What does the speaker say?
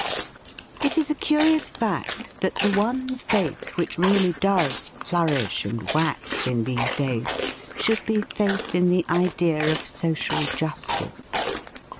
It is a curious fact that the one faith which really does flourish and wax in THE FEAST OF ST FRIEND these days should be faith in the idea of social justice.